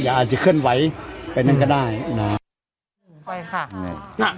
อาจจะเขิ่นไว้ไว้นั่นก็ได้อ่านะคะนี่หน่ะ